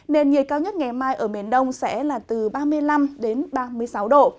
nền nhiệt cao nhất ngày mai ở miền đông sẽ là từ ba mươi năm đến ba mươi sáu độ